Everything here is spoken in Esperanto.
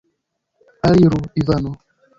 Aliru, Ivano!